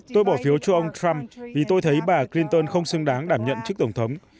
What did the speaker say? tôi bỏ phiếu cho ông trump vì tôi thấy bà clinton không xứng đáng đảm nhận chức tổng thống